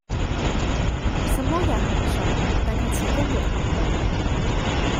什麼也很想但卻始終沒行動